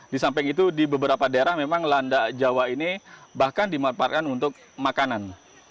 di samping itu di beberapa daerah memang landak jawa ini bahkan dimanfaatkan untuk makanan